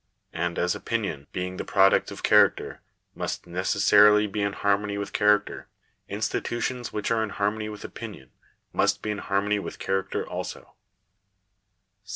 And as opinion, being the product of character (pp. 25, 159), must necessarily be in harmony with character, institutions which are in harmony with opinion, must be in haftnony with character also.